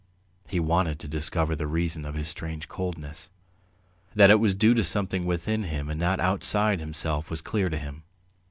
He wanted to discover the reason of his strange coldness. That it was due to something within him and not outside himself was clear to him.